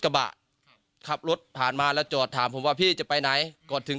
กระบะขับรถผ่านมาแล้วจอดถามผมว่าพี่จะไปไหนก่อนถึง